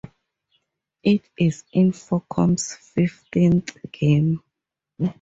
It is Infocom's fifteenth game.